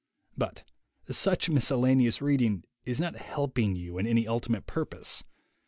But such miscellaneous reading is not helping you in any ultimate purpose.